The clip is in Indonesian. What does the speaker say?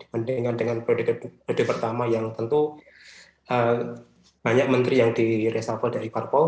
dibandingkan dengan proyek pertama yang tentu banyak menteri yang di resafel dari parpo